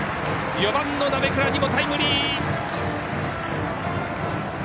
４番の鍋倉にもタイムリー。